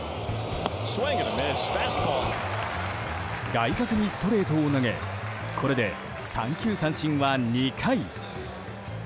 外角にストレートを投げこれで三球三振は２回。